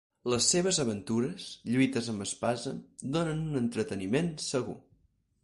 Les seves aventures, lluites amb espasa, donen un entreteniment segur.